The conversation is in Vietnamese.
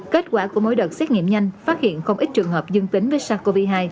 kết quả của mỗi đợt xét nghiệm nhanh phát hiện không ít trường hợp dương tính với sars cov hai